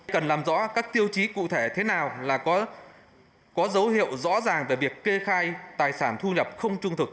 cần làm rõ các tiêu chí cụ thể thế nào là có dấu hiệu rõ ràng về việc kê khai tài sản thu nhập không trung thực